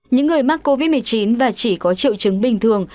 những người mắc covid một mươi chín và chỉ có triệu chứng bình thường